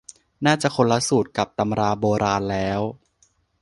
น่าจะคนละสูตรกับตำราโบราณแล้ว